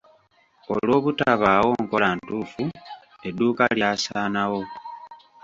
Olw'obutabaawo nkola ntuufu edduuka lyasaana wo.